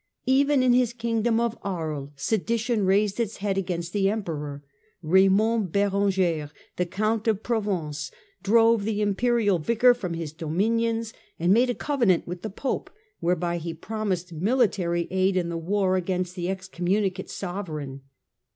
Even in his Kingdom of Aries sedition raised its head against the Emperor. Raymond Berenger, the Count of Pro vence, drove the Imperial Vicar from his dominions and made a covenant with the Pope whereby he promised military aid in the war against the excommunicate sovereign.